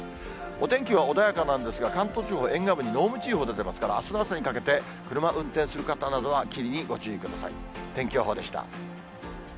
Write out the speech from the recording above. お天気は穏やかなんですが、関東地方沿岸部に濃霧注意報出てますから、あすの朝にかけて、車運転する方などは、霧にご注意ください。